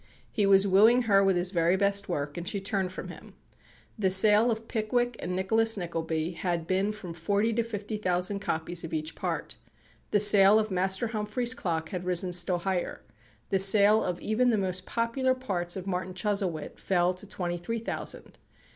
He was wooing her with his very best work, and she turned from him. The sale of "Pickwick" and "Nicholas Nickleby" had been from forty to fifty thousand copies of each part; the sale of Master Humphrey's Clock had risen still higher; the sale of even the most popular parts of "Martin Chuzzlewit" fell to twenty three thousand.